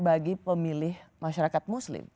bagi pemilih masyarakat muslim